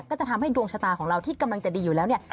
ก็จะทำให้ดวงชะตาของเราที่กำลังจะดีอยู่แล้วเนี่ย